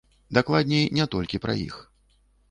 Дакладней, не толькі пра іх.